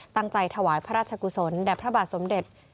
ถวายพระราชกุศลแด่พระบาทสมเด็จ